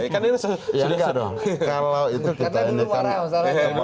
karena dulu marah masalahnya